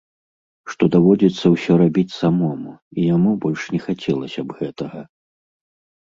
Што даводзіцца ўсё рабіць самому, і яму больш не хацелася б гэтага.